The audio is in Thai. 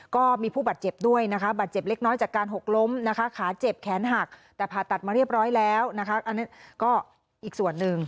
ก็มีผู้บาดเจ็บด้วยนะคะบาดเจ็บเล็กน้อยจากการหกล้มนะคะขาเจ็บแขนหักแต่ผ่าตัดมาเรียบร้อยแล้วนะคะอันนั้นก็อีกส่วนหนึ่ง